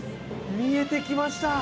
見えてきました。